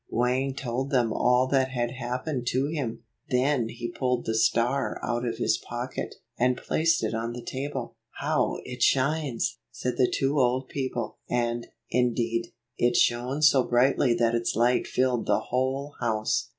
Wang told them all that had happened to him. Then he pulled the star out of his pocket, and placed it on the table. "How it shines!" said the two old people, and, indeed, it shone so brightly that its light filled the whole house.